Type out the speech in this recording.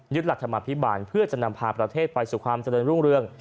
หลักธรรมภิบาลเพื่อจะนำพาประเทศไปสู่ความเจริญรุ่งเรือง